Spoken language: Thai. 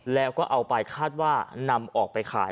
แล้วก็เอาไปคาดว่านำออกไปขาย